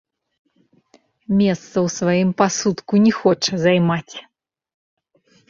Месца ў сваім пасудку не хоча займаць.